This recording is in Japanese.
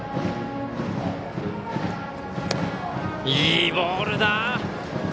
いいボールだ！